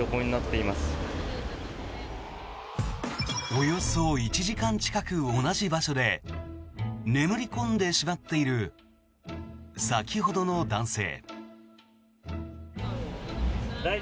およそ１時間近く同じ場所で眠り込んでしまっている先ほどの男性。